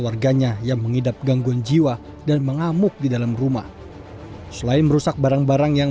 warganya yang mengidap gangguan jiwa dan mengamuk di dalam rumah selain merusak barang barang yang